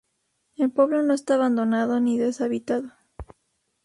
El pueblo no está abandonado ni deshabitado.